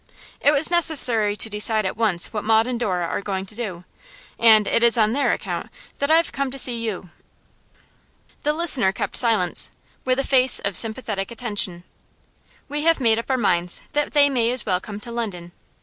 It was necessary to decide at once what Maud and Dora are going to do, and it is on their account that I have come to see you. The listener kept silence, with a face of sympathetic attention. 'We have made up our minds that they may as well come to London.